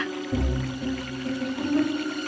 tapi sungai itu terus mengalir seperti biasa